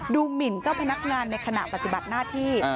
หมินเจ้าพนักงานในขณะปฏิบัติหน้าที่